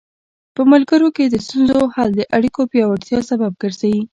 په ملګرو کې د ستونزو حل د اړیکو پیاوړتیا سبب ګرځي.